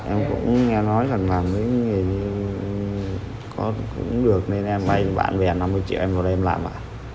em cũng nghe nói rằng là mấy người có cũng được nên em vay bản vẹn năm mươi triệu em vào đây em làm ạ